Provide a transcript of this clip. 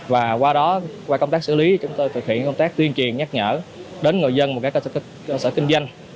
và qua đó qua công tác xử lý chúng tôi thực hiện công tác tuyên truyền nhắc nhở đến người dân và các cơ sở kinh doanh